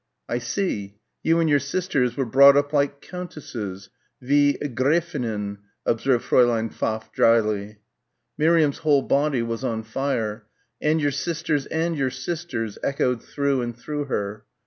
"I see. You and your sisters were brought up like Countesses, wie Gräfinnen," observed Fräulein Pfaff drily. Miriam's whole body was on fire ... "and your sisters and your sisters," echoed through and through her.